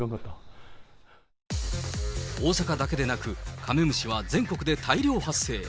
大阪だけでなく、カメムシは全国で大量発生。